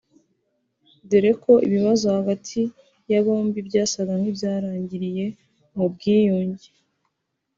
dore ko ibibazo hagati ya bombi byasaga nk’ibyarangiriye mu bwiyunge